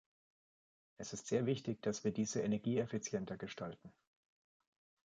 Es ist sehr wichtig, dass wir diese energieeffizienter gestalten.